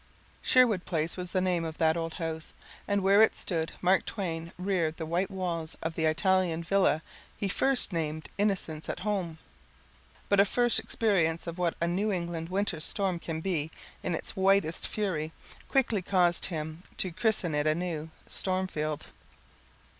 Sherwood Place was the name of that old house, and where it stood Mark Twain reared the white walls of the Italian villa he first named Innocence at Home, but a first experience of what a New England Winter storm can be in its whitest fury quickly caused him to christen it anew Stormfield.